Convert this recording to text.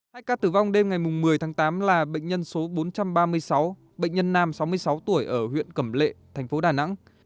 hai ca tử vong đêm ngày một mươi tháng tám là bệnh nhân số bốn trăm ba mươi sáu bệnh nhân nam sáu mươi sáu tuổi ở huyện cẩm lệ thành phố đà nẵng